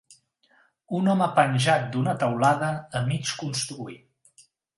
Un home penjat d'una taulada a mig construir.